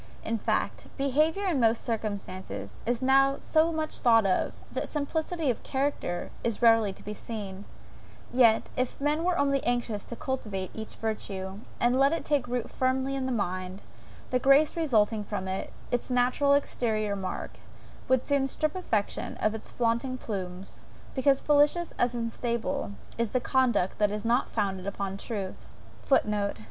In fact, behaviour in most circumstances is now so much thought of, that simplicity of character is rarely to be seen; yet, if men were only anxious to cultivate each virtue, and let it take root firmly in the mind, the grace resulting from it, its natural exteriour mark, would soon strip affectation of its flaunting plumes; because, fallacious as unstable, is the conduct that is not founded upon truth! (Footnote.